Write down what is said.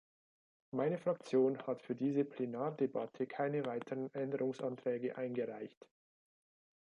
Meine Fraktion hat für diese Plenardebatte keine weiteren Änderungsanträge eingereicht.